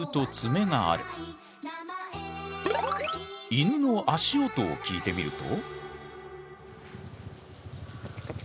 イヌの足音を聞いてみると。